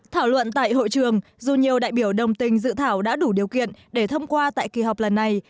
thảo luận tại hội trường dù nhiều đại biểu đồng tình dự thảo đã đủ điều kiện để thông qua tại kỳ họp lần này